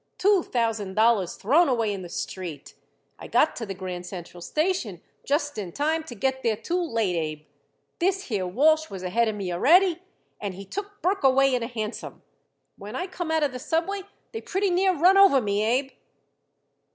Two thousand dollars thrown away in the street. I got to the Grand Central Station just in time to get there too late, Abe. This here Walsh was ahead of me already, and he took Burke away in a hansom. When I come out of the subway they pretty near run over me, Abe."